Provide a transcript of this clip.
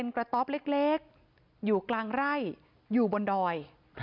กระต๊อปเล็กอยู่กลางไร่อยู่บนดอย